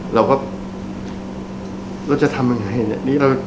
เราก็เราจะทำยังไง